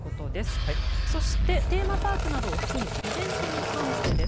そして、テーマパークなどを含むイベントに関してです。